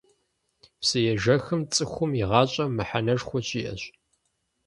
Псыежэхым цӀыхум и гъащӀэм мыхьэнэшхуэ щиӀэщ.